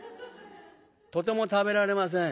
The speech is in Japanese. とても食べられません。